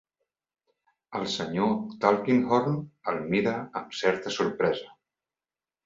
El Sr. Tulkinghorn el mira amb certa sorpresa.